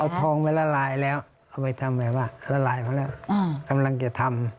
เอาทองไปละลายแล้วเขาไปทำแบบว่าละลายเขาแล้วกำลังจะทำ